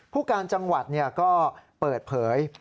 ผู้การจังหวัดก็เปิดเผย